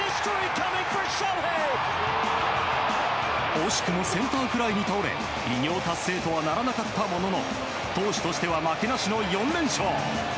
惜しくもセンターフライに倒れ偉業達成とはならなかったものの投手としては負けなしの４連勝。